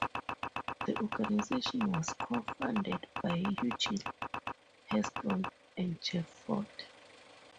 The organization was co-founded by Eugene Hairston and Jeff Fort.